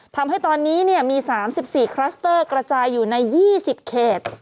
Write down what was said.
ทำให้ตอนนี้มี๓๔คลัสเตอร์กระจายอยู่ใน๒๐เขต